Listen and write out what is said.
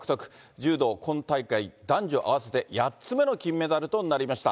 柔道、今大会男女合わせて８つ目の金メダルとなりました。